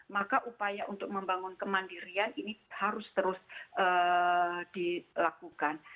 maka upaya untuk membangun kemandirian ini harus terus dilakukan